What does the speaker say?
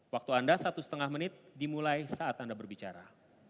waktu anda satu setengah menit dimulai saat anda berbicara